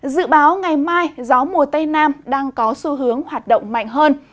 dự báo ngày mai gió mùa tây nam đang có xu hướng hoạt động mạnh hơn